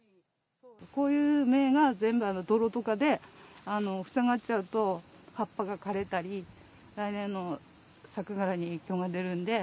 こういう芽が全部泥とかで塞がっちゃうと、葉っぱが枯れたり、来年の作柄に影響が出るので。